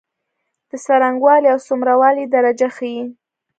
د څرنګوالی او څومره والي درجه ښيي.